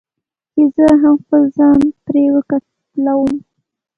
چې زه هم خپل ځان پر وکتلوم.